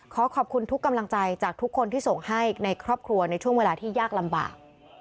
ขอขอบคุณทุกกำลังใจจากทุกคนที่ส่งให้ในครอบครัวในช่วงเวลาที่ยากลำบาก